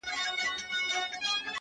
پاچا لگیا دی وه زاړه کابل ته رنگ ورکوي ـ